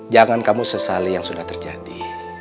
jangan kamu sesali yang sudah terjadi